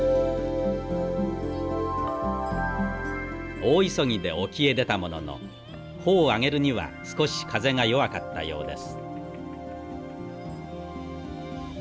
大急ぎで沖へ出たものの帆を上げるには少し風が弱かったようです。